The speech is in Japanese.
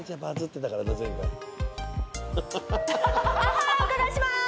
はいお伺いしまーす！